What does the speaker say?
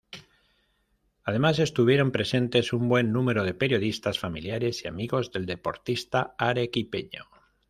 Además estuvieron presentes un buen número de periodistas, familiares y amigos del deportista arequipeño.